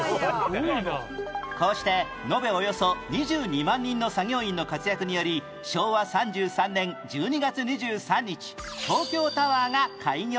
こうしてのべおよそ２２万人の作業員の活躍により昭和３３年１２月２３日東京タワーが開業しました